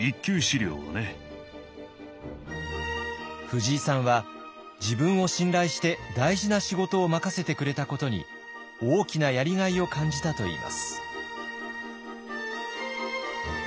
藤井さんは自分を信頼して大事な仕事を任せてくれたことに大きなやりがいを感じたといいます。